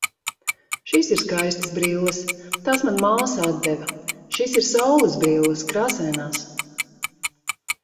Šīs ir skaistas brilles. Tās man māsa atdeva. Šīs ir saulesbrilles, krāsainās.